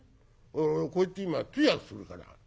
俺こいつに今通訳するから。